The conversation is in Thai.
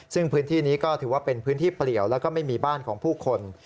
ซึ่งพื้นที่นี้ก็ถือว่าเป็นพื้นที่เปลี่ยวแล้วก็ไม่มีบ้านของผู้คน